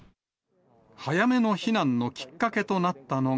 早めに避難のきっかけとなっ